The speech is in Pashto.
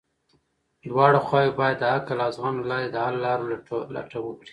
دواړه خواوې بايد د عقل او زغم له لارې د حل لارو لټه وکړي.